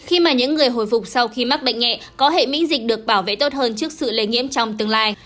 khi mà những người hồi phục sau khi mắc bệnh nhẹ có hệ mĩnh dịch được bảo vệ tốt hơn trước sự lề nghiêm trong tương lai